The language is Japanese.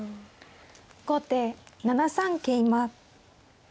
後手７三桂馬。